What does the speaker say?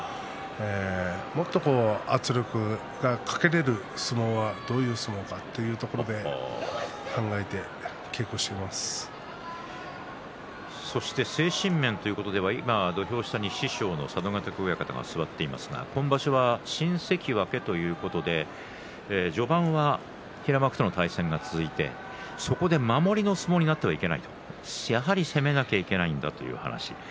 もっと圧力がかけられる相撲はどういうところか精神面ということでは土俵下、佐渡ヶ嶽親方がいますけども新関脇ということで今場所は序盤は平幕との対戦が続いてそこで守りの相撲になってはいけないとやはり攻めなければいけないということを話しています。